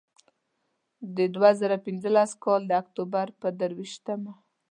د دوه زره پینځلس کال د اکتوبر پر درویشتمه.